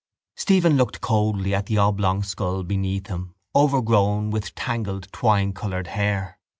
Stephen looked coldly on the oblong skull beneath him overgrown with tangled twinecoloured hair.